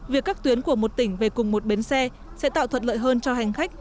việc các tuyến của một tỉnh về cùng một bến xe sẽ tạo thuận lợi hơn cho hành khách